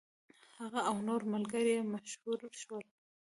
هغه او نور ملګري یې مشهور شول.